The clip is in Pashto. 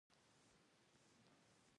آیا دا زموږ حق دی؟